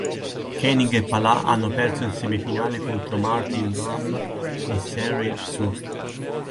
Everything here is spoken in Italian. Koenig e Pála hanno perso in semifinale contro Martin Damm e Cyril Suk.